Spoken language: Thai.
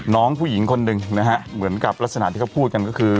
น้องผู้หญิงคนหนึ่งนะฮะเหมือนกับลักษณะที่เขาพูดกันก็คือ